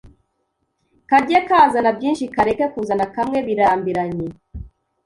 kajye kazana byinshi kareke kuzana kamwe birarambiranye